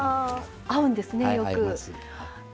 合うんですねよく。